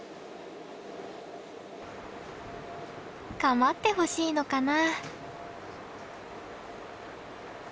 構ってほしいのかな？